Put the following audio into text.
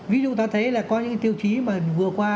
ví dụ ta thấy là có những cái tiêu chí mà vừa qua